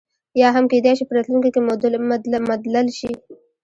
یا هم کېدای شي په راتلونکي کې مدلل شي.